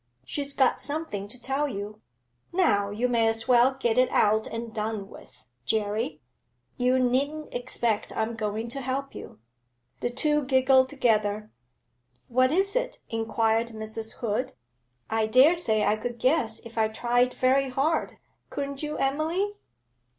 She's got something to tell you. Now you may as well get it out and done with, Jerry; you needn't expect I'm going to help you.' The two giggled together. 'What is it,' inquired Mrs. Hood. 'I daresay I could guess if I tried very hard. Couldn't you, Emily?'